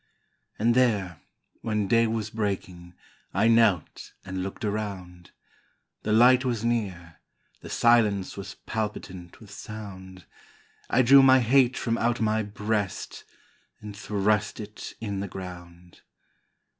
And there, when day was breaking, I knelt and looked around: The light was near, the silence Was palpitant with sound; I drew my hate from out my breast And thrust it in the ground.